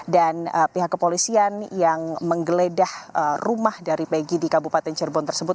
dan pihak kepolisian yang menggeledah rumah dari peggy di kabupaten cirebon tersebut